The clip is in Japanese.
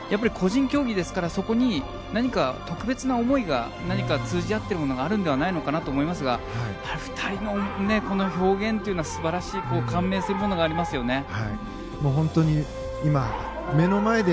個人競技ですからそこに何か特別な思いが通じ合っているものがあるのではないかと思いますがこの２人の表現というのは素晴らしい感銘するものがありますよね。